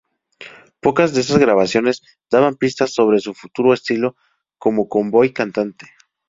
Pocas de estas grabaciones daban pistas sobre su futuro estilo como cowboy cantante.